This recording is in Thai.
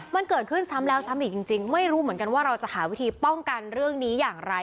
มันเกิดขึ้นซ้ำแล้วซ้ำอีกจริงไม่รู้เหมือนกันว่าเราจะหาวิธีป้องกันเรื่องนี้อย่างไร